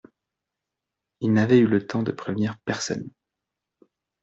Ils n’avaient eu le temps de prévenir personne.